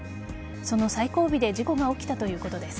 その最後尾で事故が起きたということです。